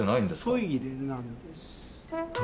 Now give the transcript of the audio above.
トイレなんです。